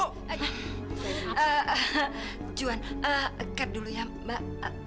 eh juhan kat dulu ya mbak